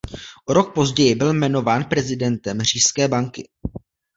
O rok později byl jmenován prezidentem říšské banky.